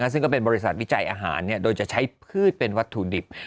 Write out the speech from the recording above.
ซึ่งก็เป็นบริษัทวิจัยอาหารโดยจะใช้พืชเป็นวัตถุดิบ